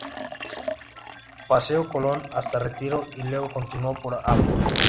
Paseo Colón hasta Retiro y luego continuando por Av.